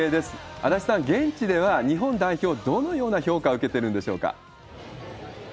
足立さん、現地では、日本代表、どのような評価を受けてるんでし